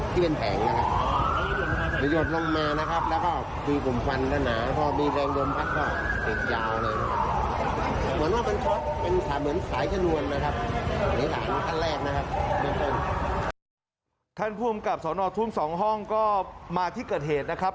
ท่านภูมิกับสนทุ่ง๒ห้องก็มาที่เกิดเหตุนะครับ